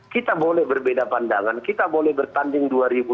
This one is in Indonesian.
kita boleh berbeda pandangan kita boleh bertanding dua ribu dua puluh